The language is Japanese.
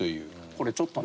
これちょっとね